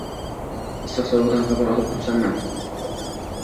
Issiq-sovug`idan xabar olib turasanmi